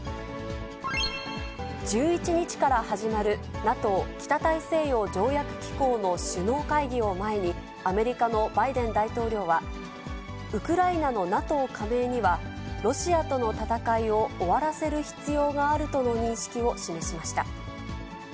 １１日から始まる、ＮＡＴＯ・北大西洋条約機構の首脳会議を前に、アメリカのバイデン大統領は、ウクライナのＮＡＴＯ加盟には、ロシアとの戦いを終わらせる必要があるとの認識を示しました。